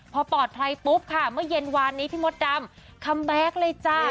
พอปลอดภัยปุ๊บค่ะเมื่อเย็นวานนี้พี่มดดำคัมแบ็คเลยจ้า